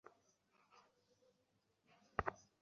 তাঁর ভাই ধলু হোসেন ওরফে ধলু ডাকাত পাচারের শীর্ষ হোতাদের একজন।